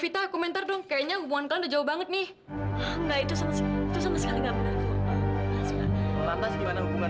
kamu menerima keterlaluan tahu nggak